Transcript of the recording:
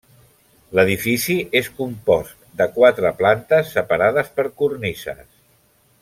L'edifici és compost de quatre plantes separades per cornises.